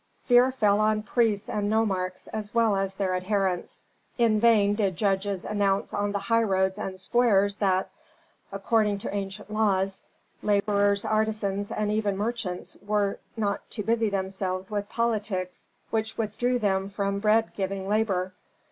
Fear fell on priests and nomarchs as well as their adherents. In vain did judges announce on the highroads and squares that, according to ancient laws, laborers, artisans, and even merchants were not to busy themselves with politics which withdrew them from bread giving labor.